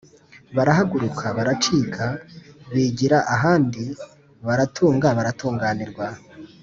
barahaguruka baracika; bigira ahandi baratunga baratunganirwa